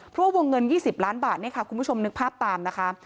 เพราะว่าวงเงิน๒๐ล้านบาทเนี่ยค่ะคุณผู้ชมนึกภาพตามนะคะ